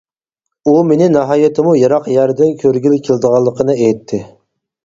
ئۇ مېنى ناھايىتىمۇ يىراق يەردىن كۆرگىلى كېلىدىغانلىقىنى ئېيتتى.